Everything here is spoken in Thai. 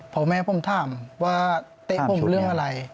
พอแม่ผมถามว่าเตะผมเรื่องอะไร